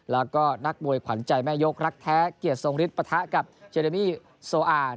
แล้วก็นักมวยขวัญใจแม่ยกรักแท้เกียรติทรงฤทธปะทะกับเจเดมี่โซอาร์